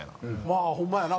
まあホンマやな